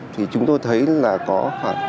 thì chúng tôi thấy là có khoảng